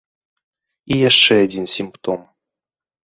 І яшчэ адзін сімптом.